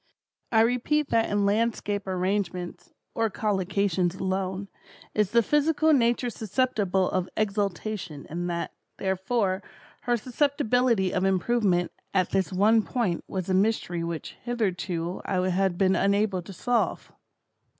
I repeat that in landscape arrangements, or collocations alone, is the physical Nature susceptible of "exaltation" and that, therefore, her susceptibility of improvement at this one point, was a mystery which, hitherto I had been unable to solve.